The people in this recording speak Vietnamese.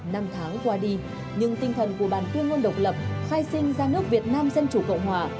năm tháng qua đi nhưng tinh thần của bàn tuyên ngôn độc lập khai sinh ra nước việt nam dân chủ cộng hòa